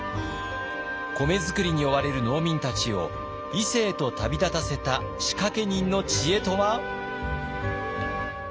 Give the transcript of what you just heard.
米作りに追われる農民たちを伊勢へと旅立たせた仕掛け人の知恵とは？